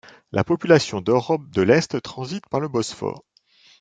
La population d'Europe de l'Est transite par le Bosphore.